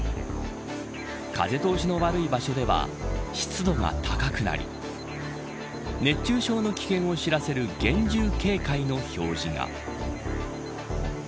風通しの悪い場所では湿度が高くなり熱中症の危険を知らせる厳重警戒の表示が。